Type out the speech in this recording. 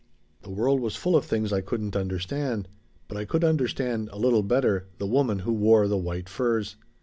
"The world was full of things I couldn't understand, but I could understand a little better the woman who wore the white furs.